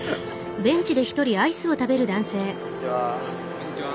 こんにちは。